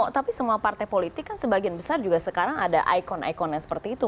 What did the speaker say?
tapi semua partai politik kan sebagian besar juga sekarang ada ikon ikonnya seperti itu